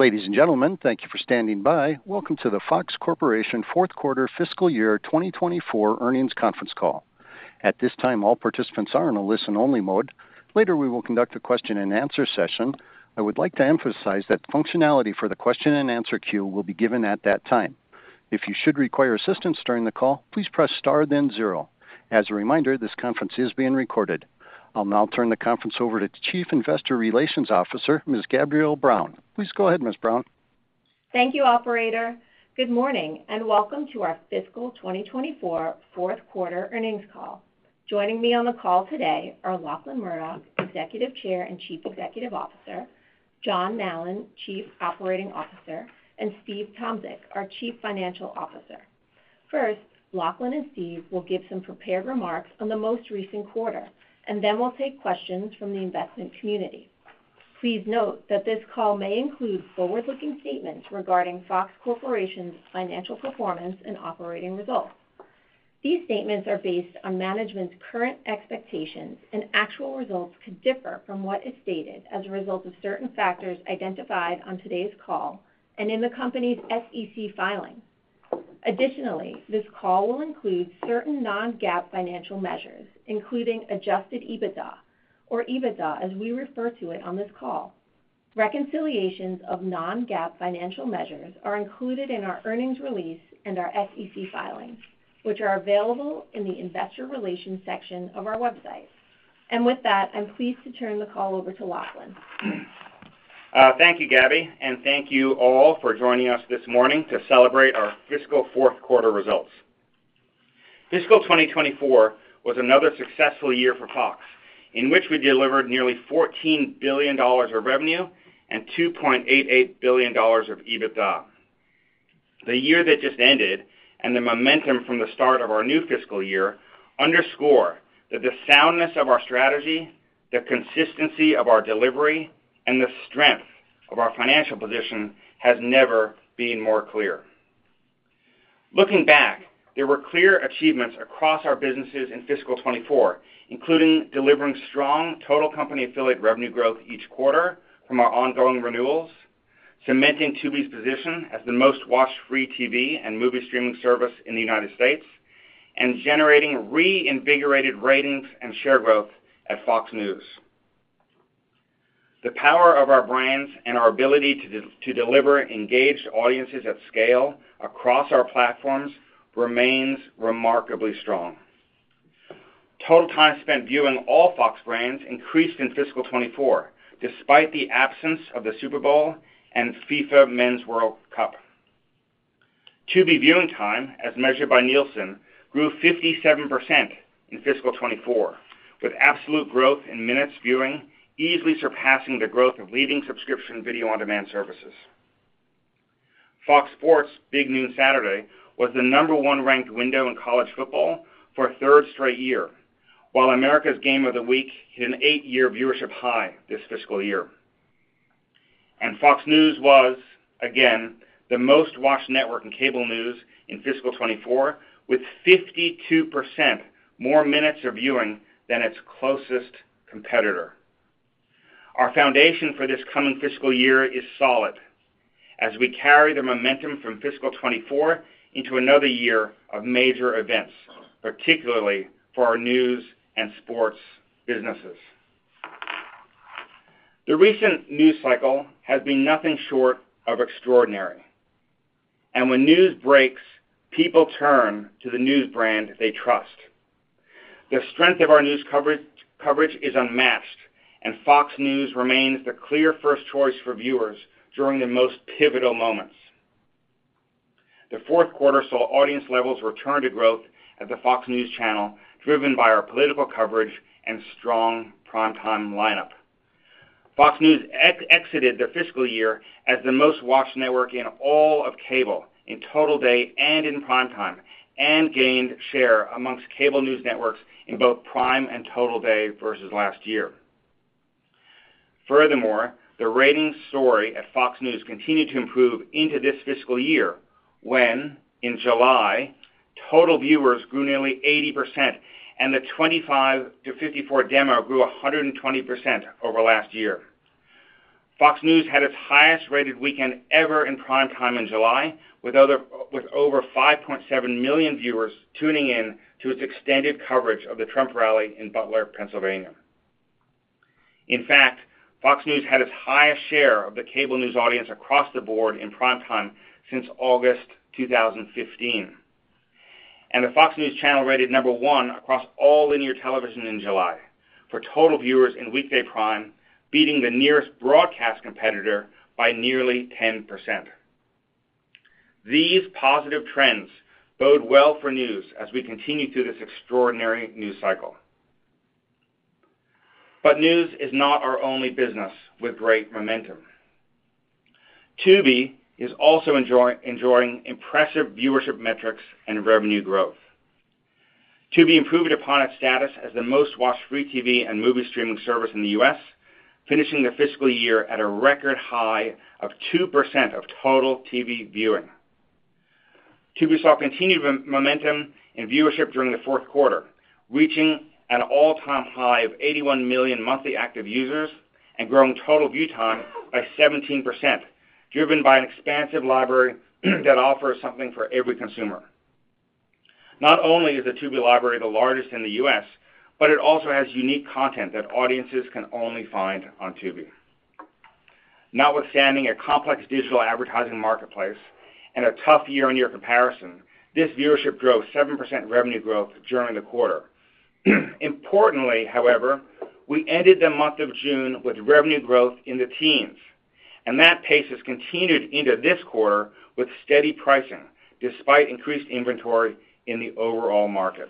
Ladies and gentlemen, thank you for standing by. Welcome to the Fox Corporation fourth quarter fiscal year 2024 earnings conference call. At this time, all participants are in a listen-only mode. Later, we will conduct a question-and-answer session. I would like to emphasize that functionality for the question-and-answer queue will be given at that time. If you should require assistance during the call, please press star, then zero. As a reminder, this conference is being recorded. I'll now turn the conference over to Chief Investor Relations Officer, Ms. Gabrielle Brown. Please go ahead, Ms. Brown. Thank you, operator. Good morning, and welcome to our fiscal 2024 fourth quarter earnings call. Joining me on the call today are Lachlan Murdoch, Executive Chair and Chief Executive Officer; John Nallen, Chief Operating Officer; and Steve Tomsic, our Chief Financial Officer. First, Lachlan and Steve will give some prepared remarks on the most recent quarter, and then we'll take questions from the investment community. Please note that this call may include forward-looking statements regarding Fox Corporation's financial performance and operating results. These statements are based on management's current expectations, and actual results could differ from what is stated as a result of certain factors identified on today's call and in the company's SEC filings. Additionally, this call will include certain non-GAAP financial measures, including adjusted EBITDA, or EBITDA, as we refer to it on this call. Reconciliations of non-GAAP financial measures are included in our earnings release and our SEC filings, which are available in the Investor Relations section of our website. With that, I'm pleased to turn the call over to Lachlan. Thank you, Gabby, and thank you all for joining us this morning to celebrate our fiscal fourth quarter results. Fiscal 2024 was another successful year for Fox, in which we delivered nearly $14 billion of revenue and $2.88 billion of EBITDA. The year that just ended and the momentum from the start of our new fiscal year underscore that the soundness of our strategy, the consistency of our delivery, and the strength of our financial position has never been more clear. Looking back, there were clear achievements across our businesses in fiscal 2024, including delivering strong total company affiliate revenue growth each quarter from our ongoing renewals, cementing Tubi's position as the most-watched free TV and movie streaming service in the United States, and generating reinvigorated ratings and share growth at Fox News. The power of our brands and our ability to deliver engaged audiences at scale across our platforms remains remarkably strong. Total time spent viewing all Fox brands increased in fiscal 2024, despite the absence of the Super Bowl and FIFA Men's World Cup. Tubi viewing time, as measured by Nielsen, grew 57% in fiscal 2024, with absolute growth in minutes viewing easily surpassing the growth of leading subscription video-on-demand services. Fox Sports' Big Noon Saturday was the number one-ranked window in college football for a third straight year, while America's Game of the Week hit an eight-year viewership high this fiscal year. Fox News was, again, the most-watched network in cable news in fiscal 2024, with 52% more minutes of viewing than its closest competitor. Our foundation for this coming fiscal year is solid as we carry the momentum from fiscal 2024 into another year of major events, particularly for our news and sports businesses. The recent news cycle has been nothing short of extraordinary, and when news breaks, people turn to the news brand they trust. The strength of our news coverage is unmatched, and Fox News remains the clear first choice for viewers during the most pivotal moments. The fourth quarter saw audience levels return to growth at the Fox News Channel, driven by our political coverage and strong primetime lineup. Fox News exited the fiscal year as the most-watched network in all of cable, in total day and in primetime, and gained share amongst cable news networks in both prime and total day versus last year. Furthermore, the ratings story at Fox News continued to improve into this fiscal year, when, in July, total viewers grew nearly 80%, and the 25-54 demo grew 120% over last year. Fox News had its highest-rated weekend ever in primetime in July, with over 5.7 million viewers tuning in to its extended coverage of the Trump rally in Butler, Pennsylvania. In fact, Fox News had its highest share of the cable news audience across the board in primetime since August 2015, and the Fox News Channel rated number one across all linear television in July for total viewers in weekday prime, beating the nearest broadcast competitor by nearly 10%. These positive trends bode well for news as we continue through this extraordinary news cycle. But news is not our only business with great momentum. Tubi is also enjoying impressive viewership metrics and revenue growth. Tubi improved upon its status as the most-watched free TV and movie streaming service in the U.S., finishing the fiscal year at a record high of 2% of total TV viewing. Tubi saw continued momentum in viewership during the fourth quarter, reaching an all-time high of 81 million monthly active users and growing total view time by 17%, driven by an expansive library that offers something for every consumer. Not only is the Tubi library the largest in the U.S., but it also has unique content that audiences can only find on Tubi. Notwithstanding a complex digital advertising marketplace and a tough year-on-year comparison, this viewership drove 7% revenue growth during the quarter. Importantly, however, we ended the month of June with revenue growth in the teens, and that pace has continued into this quarter with steady pricing, despite increased inventory in the overall market.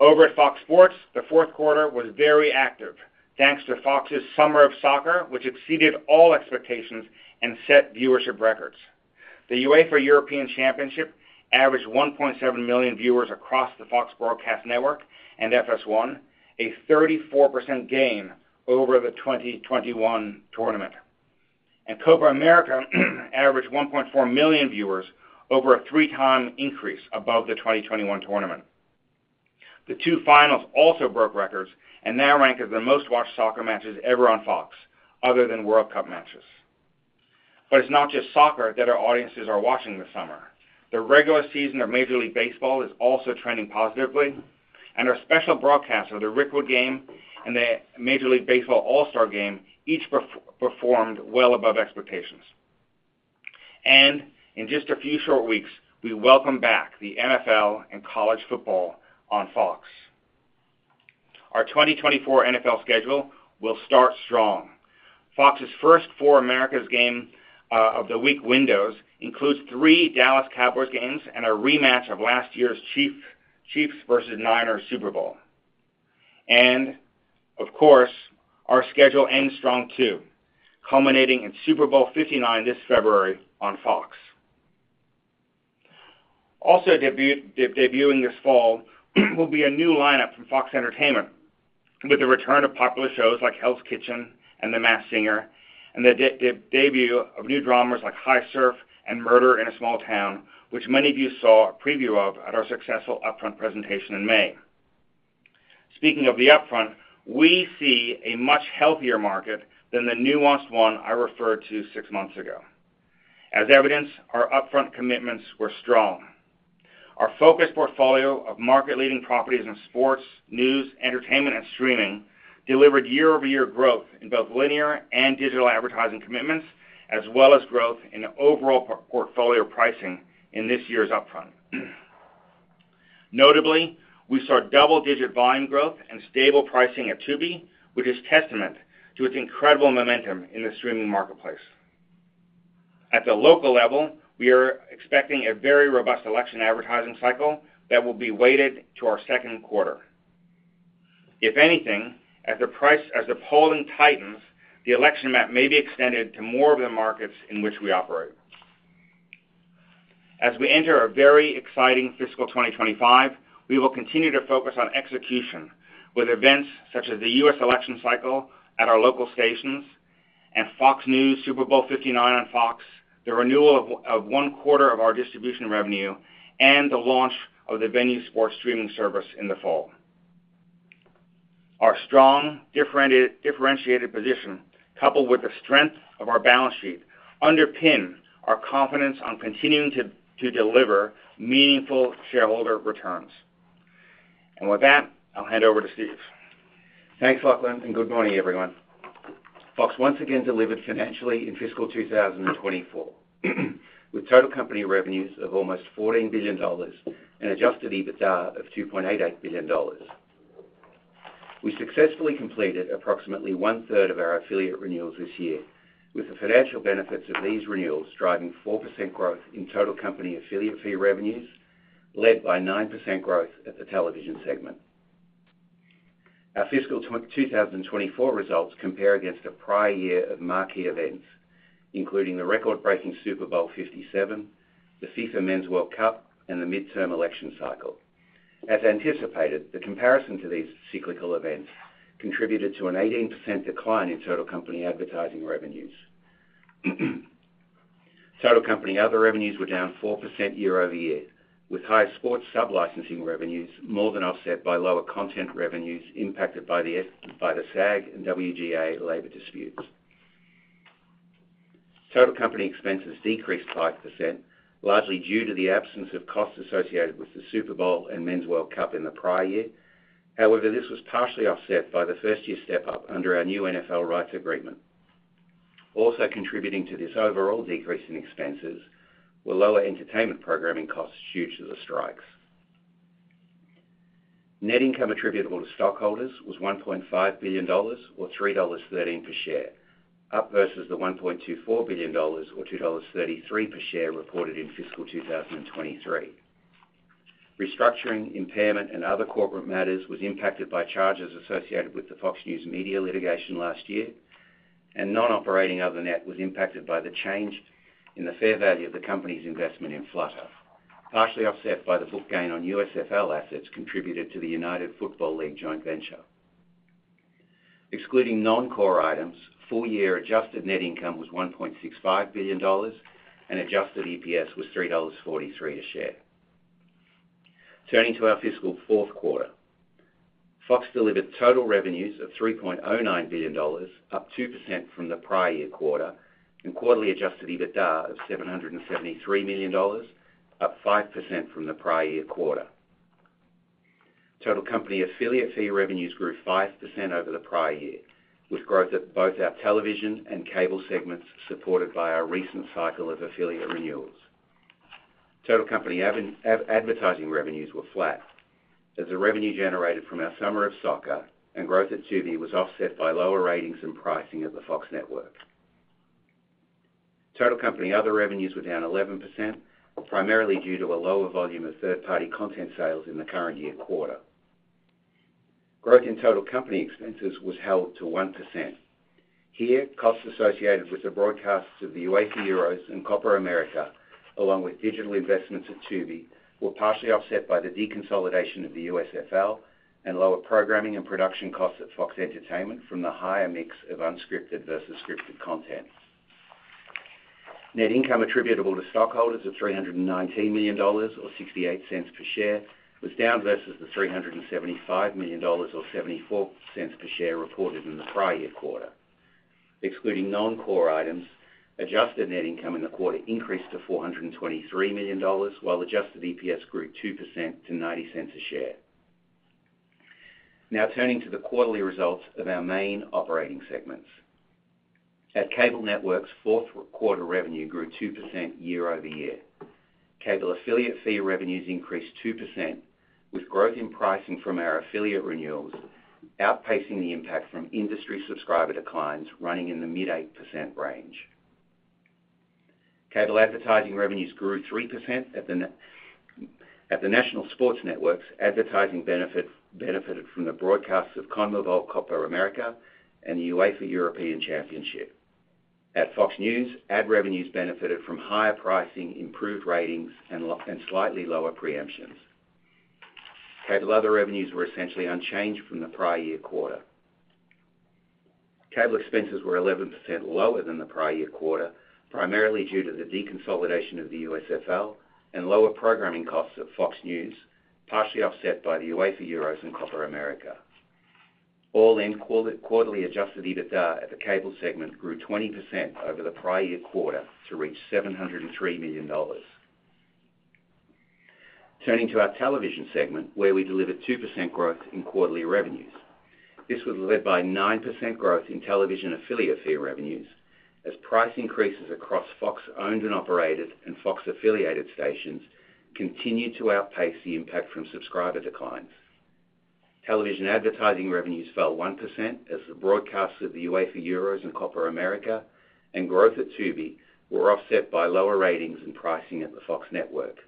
Over at Fox Sports, the fourth quarter was very active, thanks to Fox's Summer of Soccer, which exceeded all expectations and set viewership records. The UEFA European Championship averaged 1.7 million viewers across the Fox broadcast network and FS1, a 34% gain over the 2021 tournament. And Copa América averaged 1.4 million viewers, over a 3-time increase above the 2021 tournament. The two finals also broke records and now rank as the most-watched soccer matches ever on Fox, other than World Cup matches. But it's not just soccer that our audiences are watching this summer. The regular season of Major League Baseball is also trending positively, and our special broadcast of the Rickwood game and the Major League Baseball All-Star Game each performed well above expectations. In just a few short weeks, we welcome back the NFL and college football on Fox. Our 2024 NFL schedule will start strong. Fox's first 4 America's Game of the Week windows includes 3 Dallas Cowboys games and a rematch of last year's Chiefs versus Niners Super Bowl. And, of course, our schedule ends strong, too, culminating in Super Bowl 59 this February on Fox. Also, debuting this fall, will be a new lineup from Fox Entertainment, with the return of popular shows like Hell's Kitchen and The Masked Singer, and the debut of new dramas like High-Surf and Murder in a Small Town, which many of you saw a preview of at our successful Upfront presentation in May. Speaking of the Upfront, we see a much healthier market than the nuanced one I referred to six months ago. As evidenced, our Upfront commitments were strong. Our focused portfolio of market-leading properties in sports, news, entertainment, and streaming delivered year-over-year growth in both linear and digital advertising commitments, as well as growth in overall portfolio pricing in this year's Upfront. Notably, we saw double-digit volume growth and stable pricing at Tubi, which is testament to its incredible momentum in the streaming marketplace. At the local level, we are expecting a very robust election advertising cycle that will be weighted to our second quarter. If anything, as the polling tightens, the election map may be extended to more of the markets in which we operate. As we enter our very exciting fiscal 2025, we will continue to focus on execution, with events such as the U.S. election cycle at our local stations and Fox News, Super Bowl LIX on Fox, the renewal of one quarter of our distribution revenue, and the launch of the Venu Sports streaming service in the fall. Our strong, differentiated position, coupled with the strength of our balance sheet, underpin our confidence on continuing to deliver meaningful shareholder returns. And with that, I'll hand over to Steve. Thanks, Lachlan, and good morning, everyone. Fox once again delivered financially in fiscal 2024, with total company revenues of almost $14 billion and adjusted EBITDA of $2.8 billion. We successfully completed approximately one-third of our affiliate renewals this year, with the financial benefits of these renewals driving 4% growth in total company affiliate fee revenues, led by 9% growth at the television segment. Our fiscal 2024 results compare against a prior year of marquee events, including the record-breaking Super Bowl LVII, the FIFA Men's World Cup, and the midterm election cycle. As anticipated, the comparison to these cyclical events contributed to an 18% decline in total company advertising revenues. Total company other revenues were down 4% year-over-year, with higher sports sublicensing revenues more than offset by lower content revenues impacted by the SAG and WGA labor disputes. Total company expenses decreased 5%, largely due to the absence of costs associated with the Super Bowl and Men's World Cup in the prior year. However, this was partially offset by the first-year step-up under our new NFL rights agreement. Also contributing to this overall decrease in expenses were lower entertainment programming costs due to the strikes. Net income attributable to stockholders was $1.5 billion, or $3.13 per share, up versus the $1.24 billion or $2.33 per share reported in fiscal 2023. Restructuring, impairment, and other corporate matters was impacted by charges associated with the Fox News Media litigation last year, and non-operating other net was impacted by the change in the fair value of the company's investment in Flutter, partially offset by the book gain on USFL assets contributed to the United Football League joint venture... excluding non-core items, full-year adjusted net income was $1.65 billion, and adjusted EPS was $3.43 a share. Turning to our fiscal fourth quarter, Fox delivered total revenues of $3.09 billion, up 2% from the prior year quarter, and quarterly adjusted EBITDA of $773 million, up 5% from the prior year quarter. Total company affiliate fee revenues grew 5% over the prior year, with growth at both our television and cable segments, supported by our recent cycle of affiliate renewals. Total company advertising revenues were flat, as the revenue generated from our Summer of Soccer and growth at Tubi was offset by lower ratings and pricing of the Fox network. Total company other revenues were down 11%, primarily due to a lower volume of third-party content sales in the current year quarter. Growth in total company expenses was held to 1%. Here, costs associated with the broadcasts of the UEFA Euros and Copa America, along with digital investments at Tubi, were partially offset by the deconsolidation of the USFL and lower programming and production costs at Fox Entertainment from the higher mix of unscripted versus scripted content. Net income attributable to stockholders of $319 million, or $0.68 per share, was down versus the $375 million, or $0.74 per share, reported in the prior year quarter. Excluding non-core items, adjusted net income in the quarter increased to $423 million, while adjusted EPS grew 2% to $0.90 a share. Now, turning to the quarterly results of our main operating segments. At Cable Networks, fourth quarter revenue grew 2% year-over-year. Cable affiliate fee revenues increased 2%, with growth in pricing from our affiliate renewals outpacing the impact from industry subscriber declines running in the mid-8% range. Cable advertising revenues grew 3% at the National Sports Networks, advertising benefited from the broadcasts of CONMEBOL Copa América and the UEFA European Championship. At Fox News, ad revenues benefited from higher pricing, improved ratings, and slightly lower preemptions. Cable other revenues were essentially unchanged from the prior year quarter. Cable expenses were 11% lower than the prior year quarter, primarily due to the deconsolidation of the USFL and lower programming costs at Fox News, partially offset by the UEFA Euros and Copa America. All in, quarterly adjusted EBITDA at the cable segment grew 20% over the prior year quarter to reach $703 million. Turning to our television segment, where we delivered 2% growth in quarterly revenues. This was led by 9% growth in television affiliate fee revenues, as price increases across Fox owned and operated and Fox-affiliated stations continued to outpace the impact from subscriber declines. Television advertising revenues fell 1% as the broadcasts of the UEFA Euros and Copa America and growth at Tubi were offset by lower ratings and pricing at the Fox network.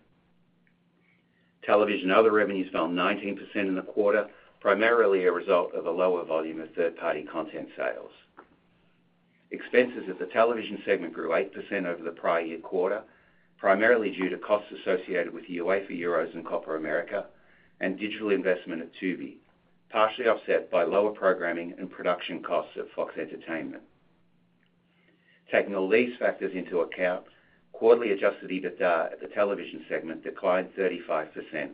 Television other revenues fell 19% in the quarter, primarily a result of a lower volume of third-party content sales. Expenses at the television segment grew 8% over the prior year quarter, primarily due to costs associated with UEFA Euros and Copa America and digital investment at Tubi, partially offset by lower programming and production costs at Fox Entertainment. Taking all these factors into account, quarterly Adjusted EBITDA at the television segment declined 35%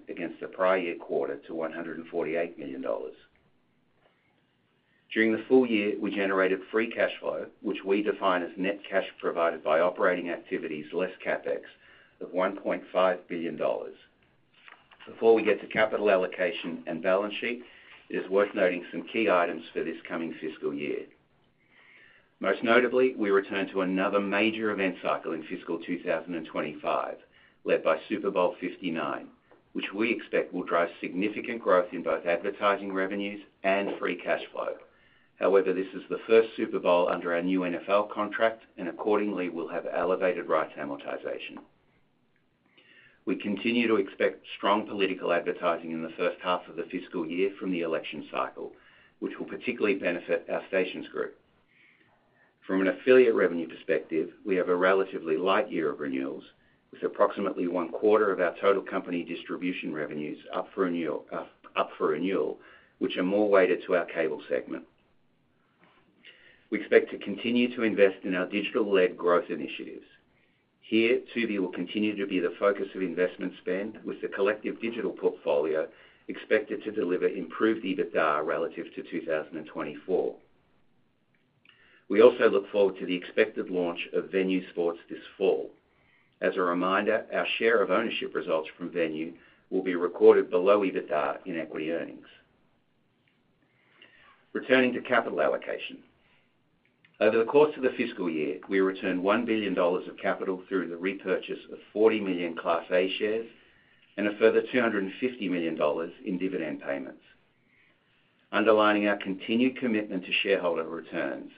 against the prior year quarter to $148 million. During the full year, we generated free cash flow, which we define as net cash provided by operating activities less CapEx, of $1.5 billion. Before we get to capital allocation and balance sheet, it is worth noting some key items for this coming fiscal year. Most notably, we return to another major event cycle in fiscal 2025, led by Super Bowl LIX, which we expect will drive significant growth in both advertising revenues and free cash flow. However, this is the first Super Bowl under our new NFL contract, and accordingly, will have elevated rights amortization. We continue to expect strong political advertising in the first half of the fiscal year from the election cycle, which will particularly benefit our stations group. From an affiliate revenue perspective, we have a relatively light year of renewals, with approximately one quarter of our total company distribution revenues up for renew, up for renewal, which are more weighted to our cable segment. We expect to continue to invest in our digital-led growth initiatives. Here, Tubi will continue to be the focus of investment spend, with the collective digital portfolio expected to deliver improved EBITDA relative to 2024. We also look forward to the expected launch of Venu Sports this fall. As a reminder, our share of ownership results from Venu will be recorded below EBITDA in equity earnings. Returning to capital allocation. Over the course of the fiscal year, we returned $1 billion of capital through the repurchase of 40 million Class A shares and a further $250 million in dividend payments. Underlining our continued commitment to shareholder returns,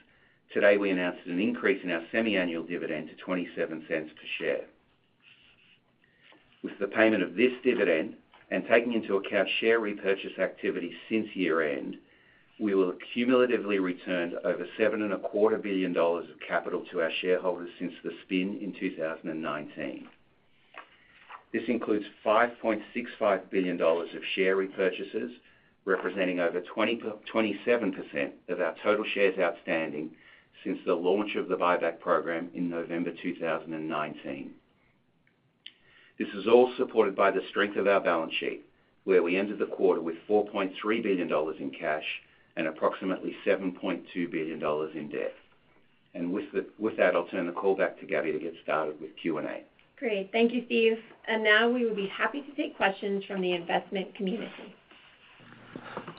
today, we announced an increase in our semiannual dividend to $0.27 per share. With the payment of this dividend, and taking into account share repurchase activity since year-end, we will accumulatively returned over $7.25 billion of capital to our shareholders since the spin in 2019... This includes $5.65 billion of share repurchases, representing over 27% of our total shares outstanding since the launch of the buyback program in November 2019. This is all supported by the strength of our balance sheet, where we ended the quarter with $4.3 billion in cash and approximately $7.2 billion in debt. And with that, I'll turn the call back to Gabby to get started with Q&A. Great. Thank you, Steve. Now, we will be happy to take questions from the investment community.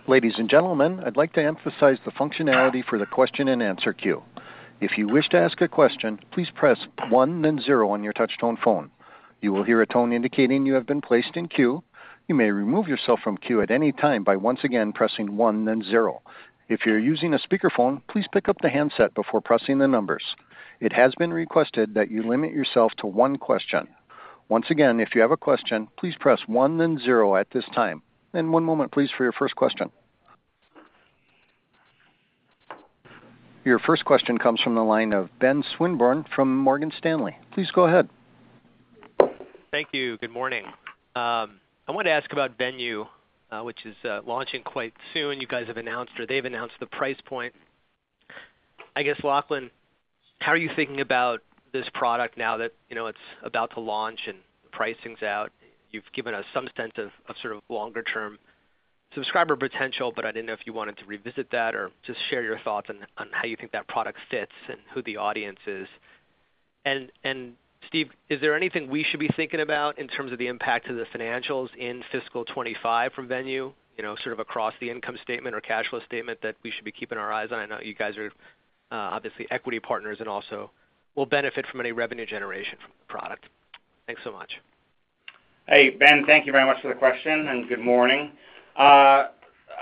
Ladies and gentlemen, I'd like to emphasize the functionality for the question-and-answer queue. If you wish to ask a question, please press one then zero on your touchtone phone. You will hear a tone indicating you have been placed in queue. You may remove yourself from queue at any time by once again pressing one, then zero. If you're using a speakerphone, please pick up the handset before pressing the numbers. It has been requested that you limit yourself to one question. Once again, if you have a question, please press one, then zero at this time. One moment, please, for your first question. Your first question comes from the line of Ben Swinburne from Morgan Stanley. Please go ahead. Thank you. Good morning. I wanted to ask about Venu, which is launching quite soon. You guys have announced, or they've announced the price point. I guess, Lachlan, how are you thinking about this product now that, you know, it's about to launch and pricing's out? You've given us some sense of, of sort of longer term subscriber potential, but I didn't know if you wanted to revisit that or just share your thoughts on, on how you think that product fits and who the audience is. And, and Steve, is there anything we should be thinking about in terms of the impact to the financials in fiscal 2025 from Venu, you know, sort of across the income statement or cash flow statement that we should be keeping our eyes on? I know you guys are, obviously equity partners and also will benefit from any revenue generation from the product. Thanks so much. Hey, Ben, thank you very much for the question, and good morning.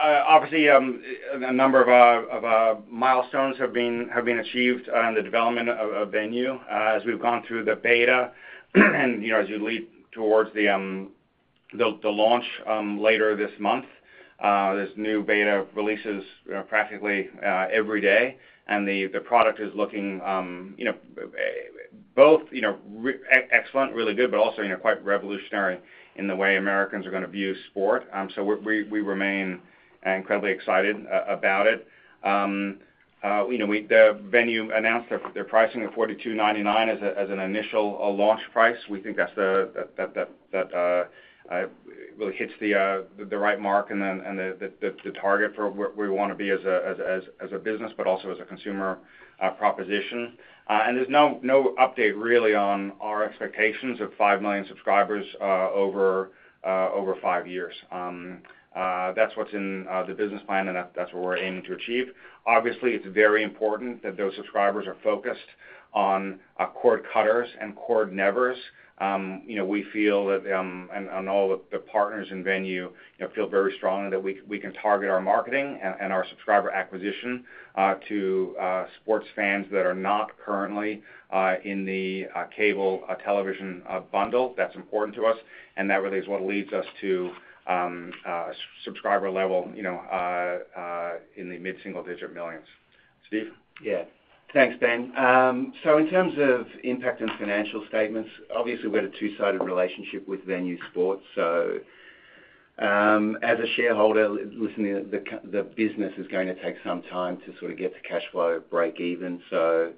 Obviously, a number of milestones have been achieved on the development of Venu. As we've gone through the beta, and, you know, as you lead towards the launch later this month, there's new beta releases, you know, practically every day, and the product is looking, you know, both, you know, excellent, really good, but also, you know, quite revolutionary in the way Americans are gonna view sport. So we remain incredibly excited about it. You know, the Venu announced their pricing of $42.99 as an initial launch price. We think that really hits the right mark and then the target for where we wanna be as a business, but also as a consumer proposition. And there's no update really on our expectations of 5 million subscribers over 5 years. That's what's in the business plan, and that's what we're aiming to achieve. Obviously, it's very important that those subscribers are focused on cord cutters and cord nevers. You know, we feel that and all the partners in Venu you know feel very strongly that we can target our marketing and our subscriber acquisition to sports fans that are not currently in the cable television bundle. That's important to us, and that really is what leads us to subscriber level, you know, in the mid-single-digit millions. Steve? Yeah. Thanks, Ben. So in terms of impact on financial statements, obviously, we had a two-sided relationship with Venu Sports. So, as a shareholder, the business is going to take some time to sort of get to cash flow break even. So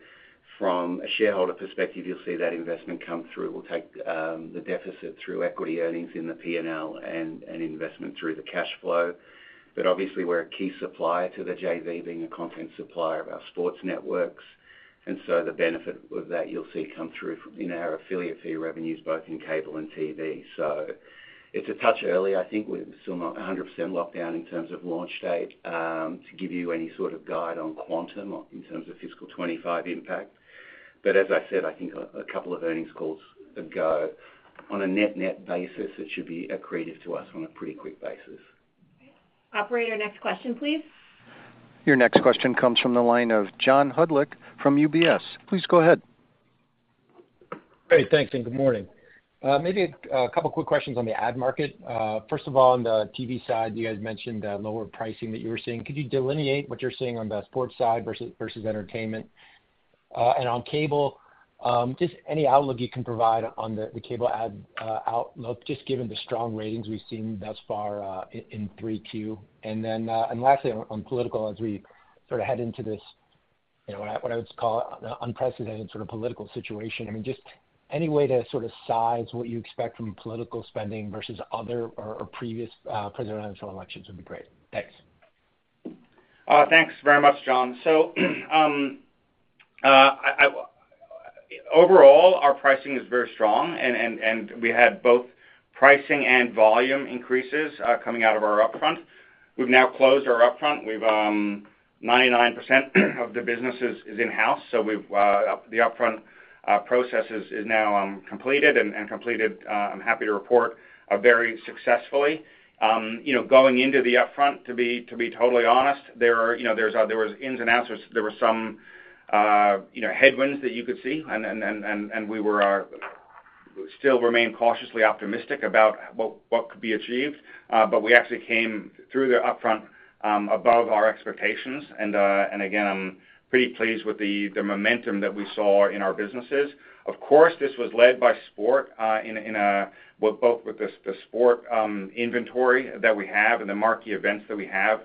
from a shareholder perspective, you'll see that investment come through. We'll take the deficit through equity earnings in the P&L and investment through the cash flow. But obviously, we're a key supplier to the JV, being a content supplier of our sports networks, and so the benefit of that you'll see come through in our affiliate fee revenues, both in cable and TV. So it's a touch early. I think we're still not 100% locked down in terms of launch date to give you any sort of guide on quantum or in terms of fiscal 2025 impact. But as I said, I think a couple of earnings calls ago, on a net-net basis, it should be accretive to us on a pretty quick basis. Okay. Operator, next question, please. Your next question comes from the line of John Hodulik from UBS. Please go ahead. Great. Thanks, and good morning. Maybe a couple quick questions on the ad market. First of all, on the TV side, you guys mentioned the lower pricing that you were seeing. Could you delineate what you're seeing on the sports side versus entertainment? And on cable, just any outlook you can provide on the cable ad outlook, just given the strong ratings we've seen thus far in 3Q. And then, and lastly, on political, as we sort of head into this, you know, what I would just call an unprecedented sort of political situation, I mean, just any way to sort of size what you expect from political spending versus other or previous presidential elections would be great. Thanks. Thanks very much, John. So, overall, our pricing is very strong, and we had both pricing and volume increases coming out of our upfront. We've now closed our upfront. We've 99% of the business is in-house, so the upfront process is now completed and completed. I'm happy to report very successfully. You know, going into the upfront, to be totally honest, there was ins and outs. There were some headwinds that you could see, and we were... we still remain cautiously optimistic about what could be achieved. But we actually came through the upfront above our expectations. And again, I'm pretty pleased with the momentum that we saw in our businesses. Of course, this was led by sport, both with the sport inventory that we have and the marquee events that we have,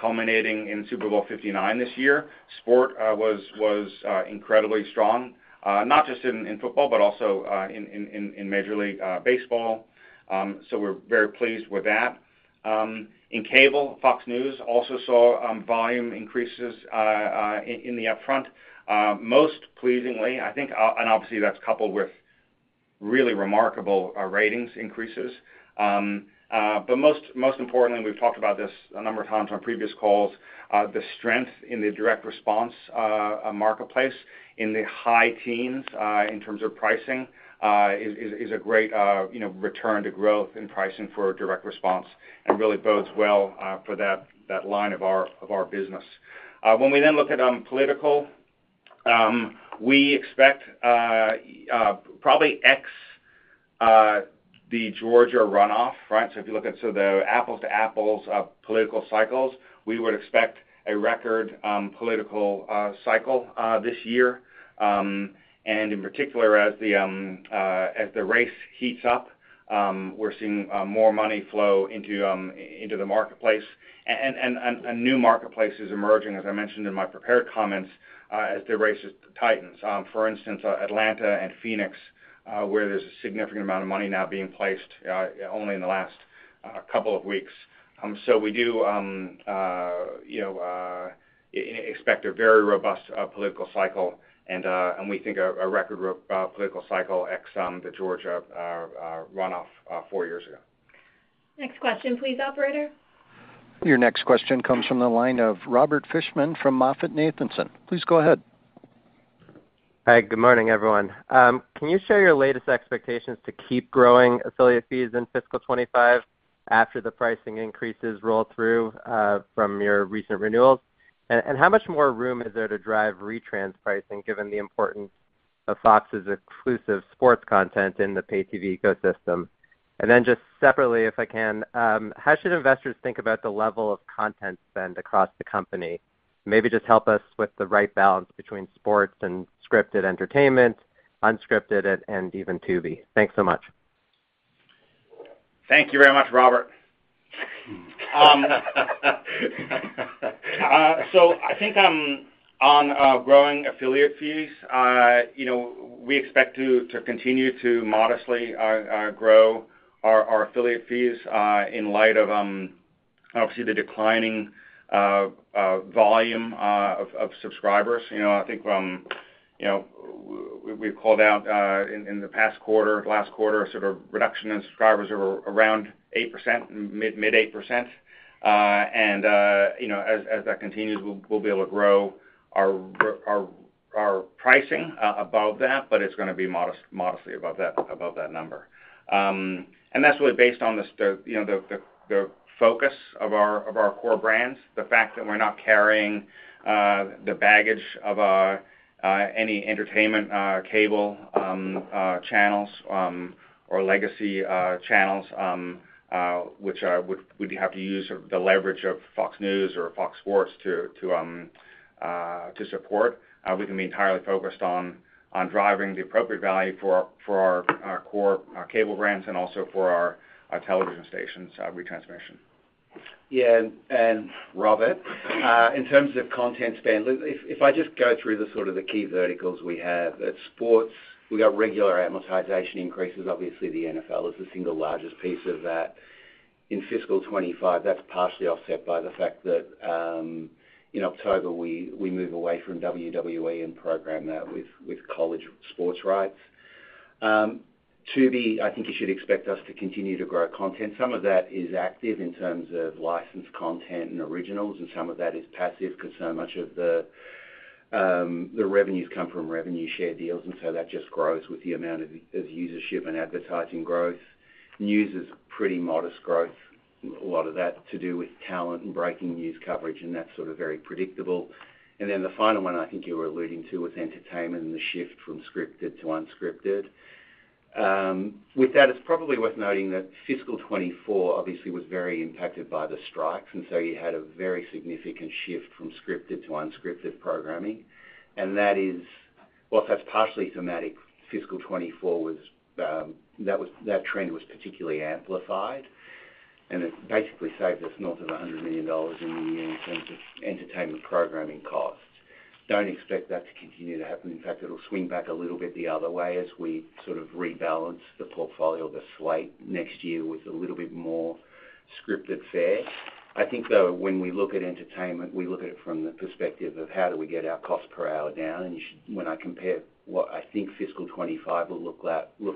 culminating in Super Bowl 59 this year. Sport was incredibly strong, not just in football, but also in Major League Baseball. So we're very pleased with that. In cable, Fox News also saw volume increases in the upfront. Most pleasingly, I think, and obviously, that's coupled with really remarkable ratings increases. But most importantly, we've talked about this a number of times on previous calls, the strength in the direct response marketplace in the high teens in terms of pricing is a great, you know, return to growth in pricing for direct response and really bodes well for that line of our business. When we then look at political, we expect probably except the Georgia runoff, right? So if you look at so the apples-to-apples of political cycles, we would expect a record political cycle this year. In particular, as the race heats up, we're seeing more money flow into the marketplace and a new marketplace is emerging, as I mentioned in my prepared comments, as the race tightens. For instance, Atlanta and Phoenix, where there's a significant amount of money now being placed, only in the last couple of weeks. So we do, you know, expect a very robust political cycle, and we think a record political cycle ex the Georgia runoff four years ago. Next question, please, operator. Your next question comes from the line of Robert Fishman from MoffettNathanson. Please go ahead. Hi, good morning, everyone. Can you share your latest expectations to keep growing affiliate fees in fiscal 2025 after the pricing increases roll through, from your recent renewals? And how much more room is there to drive retrans pricing, given the importance of Fox's exclusive sports content in the pay TV ecosystem? And then just separately, if I can, how should investors think about the level of content spend across the company? Maybe just help us with the right balance between sports and scripted entertainment, unscripted, and even Tubi. Thanks so much. Thank you very much, Robert. So I think on growing affiliate fees, you know, we expect to continue to modestly grow our affiliate fees in light of obviously the declining volume of subscribers. You know, I think you know we've called out in the past quarter, last quarter, sort of reduction in subscribers are around 8%, mid-8%. And you know as that continues, we'll be able to grow our pricing above that, but it's gonna be modestly above that number. And that's really based on you know the focus of our core brands, the fact that we're not carrying the baggage of any entertainment cable channels or legacy channels, which we'd have to use the leverage of Fox News or Fox Sports to support. We can be entirely focused on driving the appropriate value for our core cable brands and also for our television stations retransmission. Yeah, and Robert, in terms of content spend, if I just go through the sort of the key verticals we have, at sports, we've got regular amortization increases. Obviously, the NFL is the single largest piece of that. In fiscal 2025, that's partially offset by the fact that, in October, we move away from WWE and program that with college sports rights. Tubi, I think you should expect us to continue to grow content. Some of that is active in terms of licensed content and originals, and some of that is passive because so much of the revenues come from revenue share deals, and so that just grows with the amount of usership and advertising growth. News is pretty modest growth, a lot of that to do with talent and breaking news coverage, and that's sort of very predictable. And then the final one I think you were alluding to was entertainment and the shift from scripted to unscripted. With that, it's probably worth noting that fiscal 2024 obviously was very impacted by the strikes, and so you had a very significant shift from scripted to unscripted programming. And that is, whilst that's partially thematic, fiscal 2024 was, that trend was particularly amplified, and it basically saved us north of $100 million in the year in terms of entertainment programming costs. Don't expect that to continue to happen. In fact, it'll swing back a little bit the other way as we sort of rebalance the portfolio, the slate next year with a little bit more scripted fare. I think, though, when we look at entertainment, we look at it from the perspective of how do we get our cost per hour down? When I compare what I think fiscal 2025 will look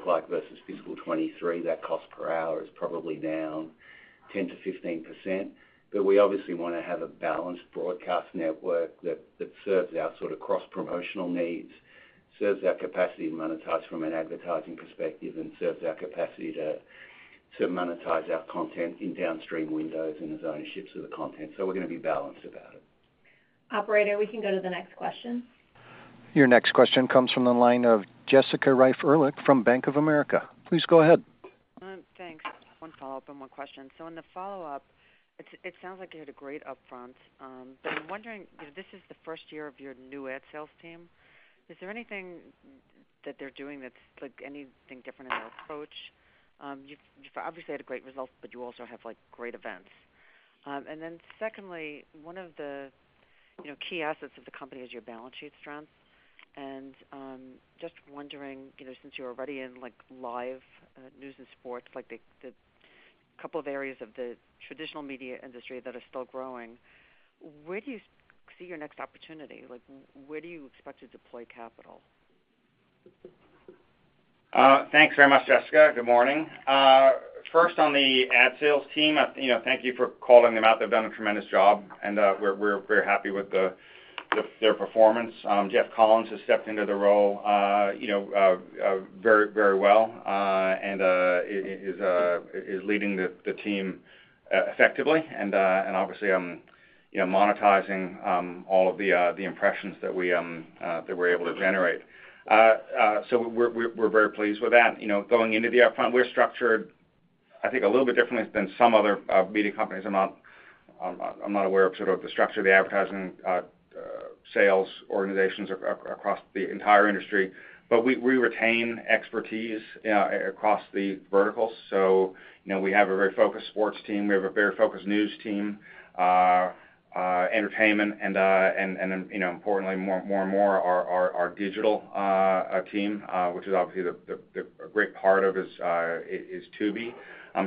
like versus fiscal 2023, that cost per hour is probably down 10%-15%. But we obviously want to have a balanced broadcast network that serves our sort of cross-promotional needs, serves our capacity to monetize from an advertising perspective, and serves our capacity to monetize our content in downstream windows and as ownership to the content, so we're going to be balanced about it.... Operator, we can go to the next question. Your next question comes from the line of Jessica Reif Ehrlich from Bank of America. Please go ahead. Thanks. One follow-up and one question. So in the follow-up, it sounds like you had a great upfront, but I'm wondering, you know, this is the first year of your new ad sales team. Is there anything that they're doing that's, like, anything different in their approach? You've obviously had a great result, but you also have, like, great events. And then secondly, one of the, you know, key assets of the company is your balance sheet strength. And just wondering, you know, since you're already in, like, live news and sports, like the couple of areas of the traditional media industry that are still growing, where do you see your next opportunity? Like, where do you expect to deploy capital? Thanks very much, Jessica. Good morning. First, on the ad sales team, you know, thank you for calling them out. They've done a tremendous job, and we're very happy with their performance. Jeff Collins has stepped into the role, you know, very, very well, and is leading the team effectively and obviously, you know, monetizing all of the impressions that we're able to generate. So we're very pleased with that. You know, going into the upfront, we're structured, I think, a little bit differently than some other media companies. I'm not aware of sort of the structure of the advertising sales organizations across the entire industry, but we retain expertise across the verticals. So, you know, we have a very focused sports team. We have a very focused news team, entertainment, and, and, you know, importantly, more and more, our digital team, which is obviously the a great part of is Tubi.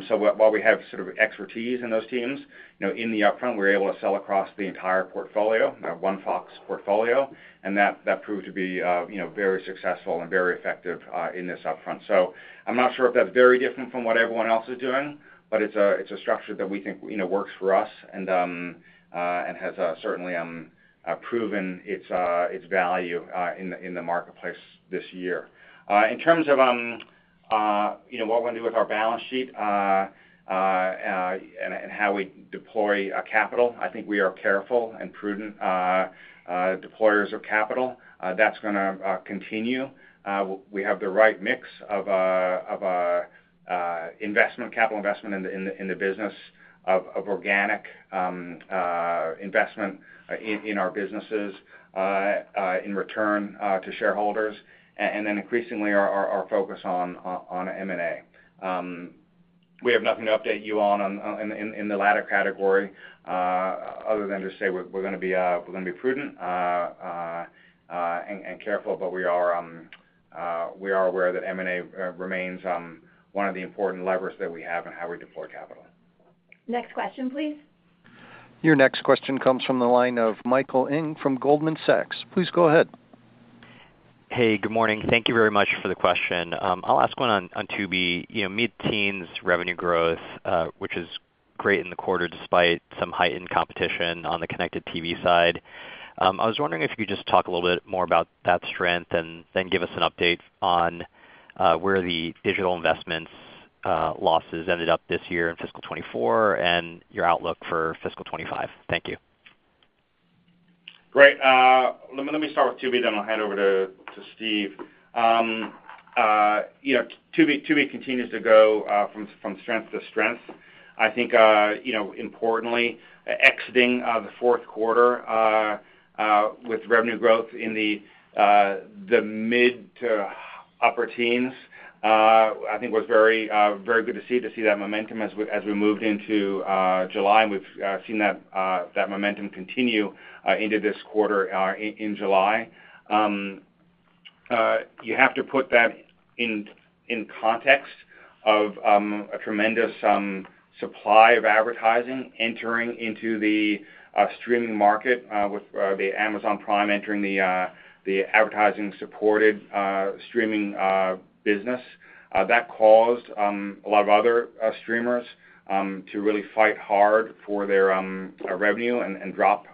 So while we have sort of expertise in those teams, you know, in the upfront, we're able to sell across the entire portfolio, our One Fox portfolio, and that proved to be, you know, very successful and very effective in this upfront. So I'm not sure if that's very different from what everyone else is doing, but it's a structure that we think, you know, works for us and has certainly proven its value in the marketplace this year. In terms of, you know, what we're gonna do with our balance sheet, and how we deploy capital, I think we are careful and prudent deployers of capital. That's gonna continue. We have the right mix of capital investment in the business of organic investment in our businesses, in return to shareholders, and then increasingly, our focus on M&A. We have nothing to update you on in the latter category, other than to say we're gonna be prudent and careful, but we are aware that M&A remains one of the important levers that we have in how we deploy capital. Next question, please. Your next question comes from the line of Michael Ing from Goldman Sachs. Please go ahead. Hey, good morning. Thank you very much for the question. I'll ask one on, on Tubi. You know, mid-teens revenue growth, which is great in the quarter, despite some heightened competition on the connected TV side. I was wondering if you could just talk a little bit more about that strength and then give us an update on, where the digital investments, losses ended up this year in fiscal 2024 and your outlook for fiscal 2025. Thank you. Great. Let me start with Tubi, then I'll hand over to Steve. You know, Tubi continues to grow from strength to strength. I think, you know, importantly, exiting the fourth quarter with revenue growth in the mid to upper teens, I think was very good to see that momentum as we moved into July, and we've seen that momentum continue into this quarter, in July. You have to put that in context of a tremendous supply of advertising entering into the streaming market, with the Amazon Prime entering the advertising-supported streaming business. That caused a lot of other streamers to really fight hard for their revenue and drop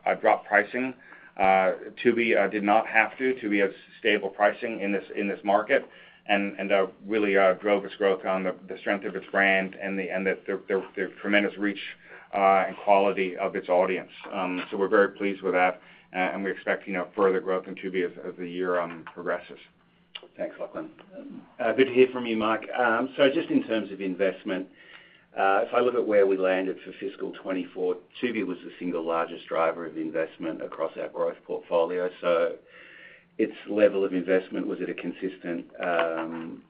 pricing. Tubi did not have to. Tubi has stable pricing in this market, and really drove its growth on the strength of its brand and the tremendous reach and quality of its audience. So we're very pleased with that, and we expect, you know, further growth in Tubi as the year progresses. Thanks, Lachlan. Good to hear from you, Mike. So just in terms of investment, if I look at where we landed for fiscal 2024, Tubi was the single largest driver of investment across our growth portfolio. So its level of investment was at a consistent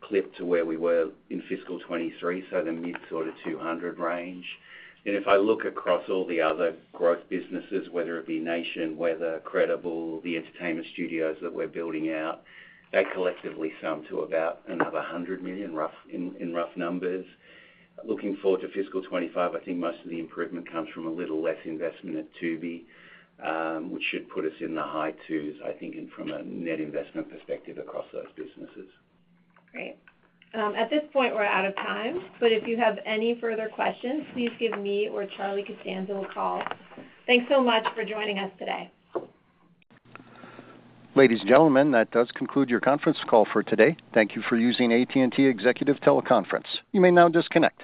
clip to where we were in fiscal 2023, so the mid sort of $200 million range. And if I look across all the other growth businesses, whether it be Nation, Weather, Credible, the entertainment studios that we're building out, that collectively sum to about another $100 million, rough numbers. Looking forward to fiscal 2025, I think most of the improvement comes from a little less investment at Tubi, which should put us in the high $200s, I think, in from a net investment perspective across those businesses. Great. At this point, we're out of time, but if you have any further questions, please give me or Charlie Costanzo a call. Thanks so much for joining us today. Ladies and gentlemen, that does conclude your conference call for today. Thank you for using AT&T Executive Teleconference. You may now disconnect.